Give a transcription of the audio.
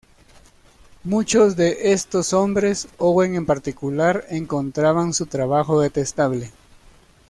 Muchos de estos hombres, Owen en particular, encontraban su trabajo detestable.